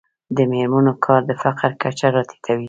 د میرمنو کار د فقر کچه راټیټوي.